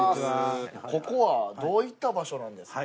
ここはどういった場所なんですか？